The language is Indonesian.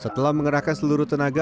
setelah mengerahkan seluruh tenaga